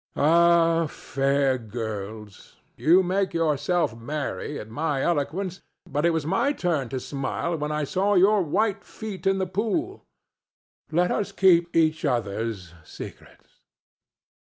—Ah, fair girls! you may make yourself merry at my eloquence, but it was my turn to smile when I saw your white feet in the pool. Let us keep each other's secrets.